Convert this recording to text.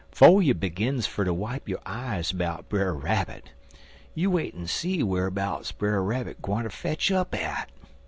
'Fo' you begins fer ter wipe yo' eyes 'bout Brer Rabbit, you wait en see whar'bouts Brer Rabbit gwineter fetch up at.